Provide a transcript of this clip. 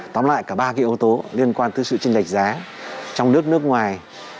tóm lại cả ba cái yếu tố liên quan tới sự tranh lệch giá trong nước nước ngoài